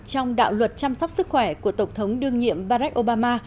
trong đạo luật chăm sóc sức khỏe của tổng thống đương nhiệm barack obama